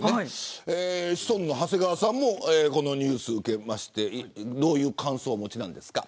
シソンヌ長谷川さんもこのニュースを受けてどういう感想をお持ちですか。